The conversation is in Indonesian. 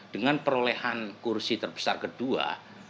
dengan perolehan kursi terbesar kedua